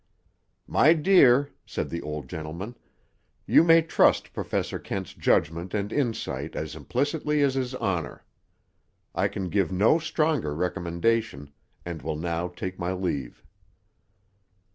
"My dear," said the old gentleman, "you may trust Professor Kent's judgment and insight as implicitly as his honor. I can give no stronger recommendation, and will now take my leave."